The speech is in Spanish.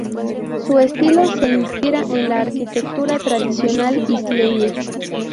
Su estilo se inspira en la arquitectura tradicional isleña.